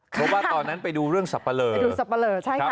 เพราะว่าตอนนั้นไปดูเรื่องสับปะเลอไปดูสับปะเลอใช่ครับ